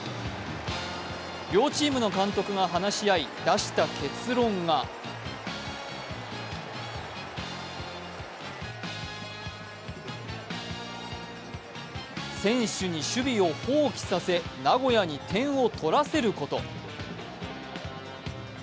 両チームの監督が話し合い、出した結論が選手に守備を放棄させ、名古屋に点を取らせること。